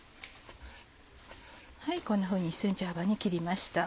こんなふうに１ｃｍ幅に切りました。